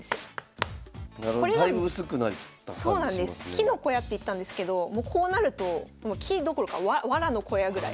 木の小屋って言ったんですけどもうこうなると木どころかワラの小屋ぐらい。